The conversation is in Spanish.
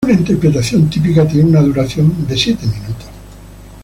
Una interpretación típica tiene una duración de siete minutos.